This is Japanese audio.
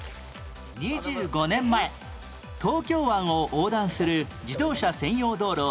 ２５年前東京湾を横断する自動車専用道路